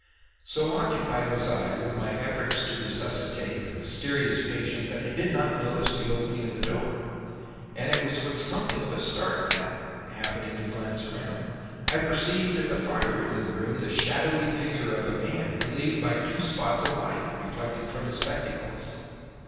So occupied was I with my efforts to resuscitate my mysterious patient that I did not notice the opening of the door, and it was with something of a start that, happening to glance round, I perceived at the farther end of the room the shadowy figure of a man relieved by two spots of light reflected from his spectacles.